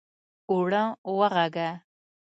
اوړه واغږه!